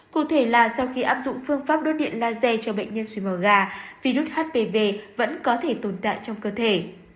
cụ thể là sau khi áp dụng phương pháp đốt điện laser cho bệnh nhân suối màu gà virus hpv vẫn có thể tồn tại trong cơ thể